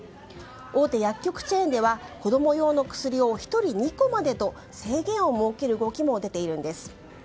大手薬局チェーンでは子供用の薬を１人２個までと制限を設ける動きも出ているんです。